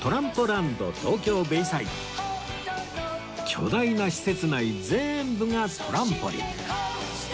巨大な施設内全部がトランポリン